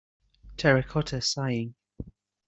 Terracotta Sighing.